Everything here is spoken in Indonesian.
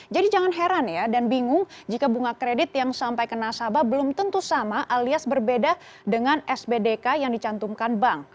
jadi jangan heran dan bingung jika bunga kredit yang sampai ke nasabah belum tentu sama alias berbeda dengan sbdk yang dicantumkan bank